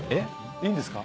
いいんですか？